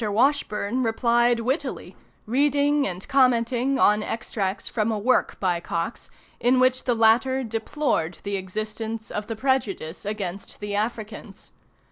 Washburne replied wittily, reading and commenting on extracts from a work by Cox, in which the latter deplored the existence of the prejudice against the Africans.